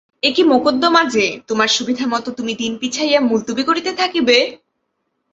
একি মকদ্দমা যে, তোমার সুবিধামত তুমি দিন পিছাইয়া মুলতুবি করিতে থাকিবে?